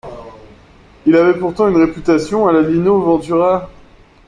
Il avait pourtant une réputation à la Lino Ventura